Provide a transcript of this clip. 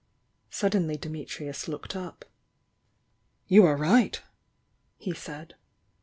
Suddenly Dimitrius looked up. "You are right!" he said.